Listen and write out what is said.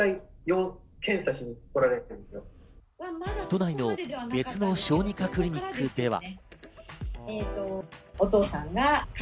都内の別の小児科クリニックでは。